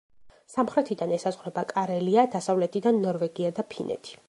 სამხრეთიდან ესაზღვრება კარელია, დასავლეთიდან ნორვეგია და ფინეთი.